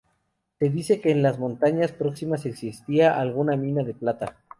Se dice que en las montañas próximas existía alguna mina de plata.